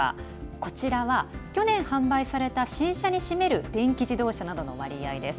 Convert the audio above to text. こちらは、去年販売された新車に占める電気自動車などの割合です。